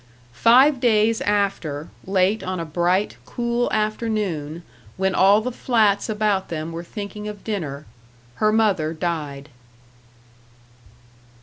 Five days after, late on a bright, cool afternoon, when all the flats about them were thinking of dinner, her mother died.